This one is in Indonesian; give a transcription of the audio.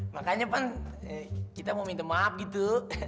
makanya pan kita mau minta maaf gitu